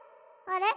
あれ？